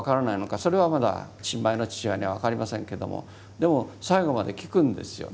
それはまだ新米の父親には分かりませんけどもでも最後まで聞くんですよね。